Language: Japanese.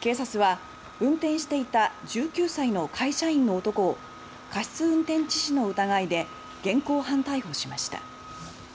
警察は運転していた１９歳の会社員の男を過失運転致死の疑いで現行犯逮捕しました。